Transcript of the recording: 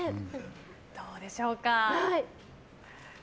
どうでしょうか。